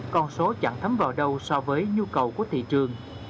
con số chẳng thấm vào đâu so với nhu cầu của thị trường